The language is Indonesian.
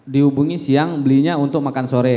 dihubungi siang belinya untuk makan sore